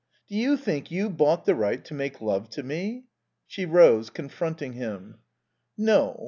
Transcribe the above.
Do you think you bought the right to make love to me?" She rose, confronting him. "No.